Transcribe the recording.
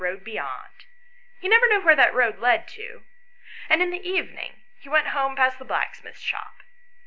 105 road beyond, he never knew where that road led to, and in the evening he went home past the black smith's shop.